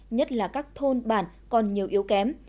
nhất là các thôn bản còn nhiều yếu kém